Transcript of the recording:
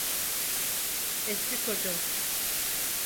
Eski kocam.